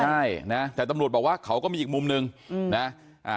ใช่นะแต่ตำรวจบอกว่าเขาก็มีอีกมุมหนึ่งนะ